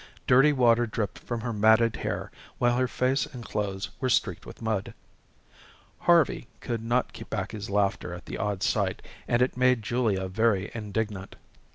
Dirty water dripped from her matted hair, while her face and clothes were streaked with mud. Harvey could not keep back his laughter at the odd sight, and it made Julia very indignant.